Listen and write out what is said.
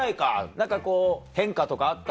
何かこう変化とかあった？